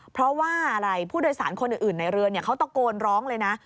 เพราะว่าอะไรผู้โดยสารคนอื่นในเรือเขาตะโกนร้องเลยนะ